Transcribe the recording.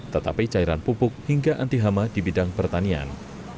tetapi cairan pupuk hingga anti hama di bidang pertanian